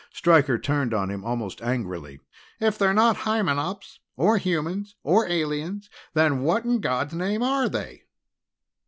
Stryker turned on him almost angrily. "If they're not Hymenops or humans or aliens, then what in God's name are they?"